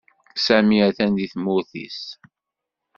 Sami atan deg tmurt is